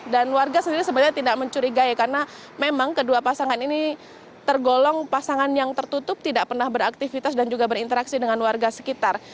dan warga sendiri sebenarnya tidak mencurigai karena memang kedua pasangan ini tergolong pasangan yang tertutup tidak pernah beraktivitas dan juga berinteraksi dengan warga sekitar